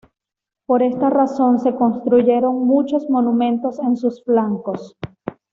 Por esta razón, se construyeron muchos monumentos en sus flancos.